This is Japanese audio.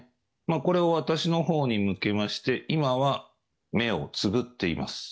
これを私のほうに向けまして今は目をつぶっています。